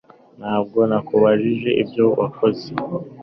ntabwo nakubajije ibyo wakoze